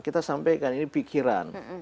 kita sampaikan ini pikiran